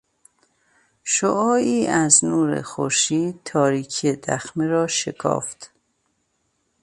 شعاعی از نور خورشید تاریکی دخمه را شکافت